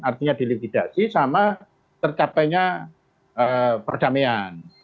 artinya delividasi sama tercapainya perdamaian